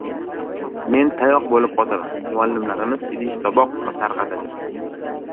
Men tayoq bo‘lib qotaman. Muallimlarimiz idish-toboq tarqatadi.